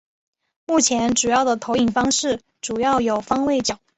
目前主要的投影方式主要有方位角。